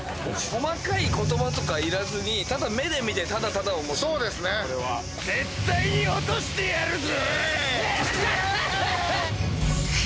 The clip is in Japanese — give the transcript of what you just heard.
細かい言葉とかいらずに目で見てただただ面白いこれはそうですね絶対に落としてやるぞ